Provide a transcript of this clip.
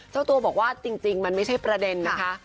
เจ้าตัวบอกว่าจริงมันไม่ใช่ประเด็นนะคะ